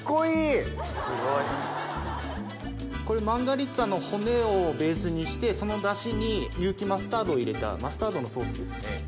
マンガリッツァの骨をベースにしてそのダシに有機マスタードを入れたマスタードのソースですね。